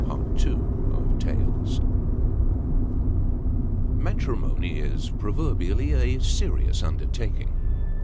CHAPTEE THE FIEST. MATBIMONY is proverbially a serious undertaking.